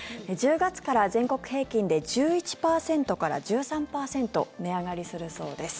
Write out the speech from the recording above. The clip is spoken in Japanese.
１０月から全国平均で１１％から１３％値上がりするそうです。